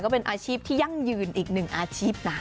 ก็เป็นอาชีพที่ยั่งยืนอีกหนึ่งอาชีพนะ